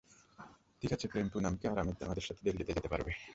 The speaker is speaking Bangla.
ঠিকাছে প্রেম, পুনামকে আরামে তোমার সাথে দিল্লি যেতে পারবে।